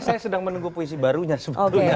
saya sedang menunggu puisi barunya sebetulnya